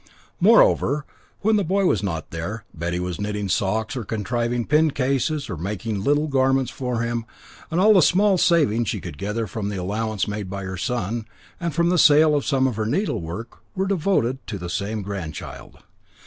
Moreover, when the boy was not there, Betty was knitting socks or contriving pin cases, or making little garments for him; and all the small savings she could gather from the allowance made by her son, and from the sale of some of her needlework, were devoted to the same grandchild.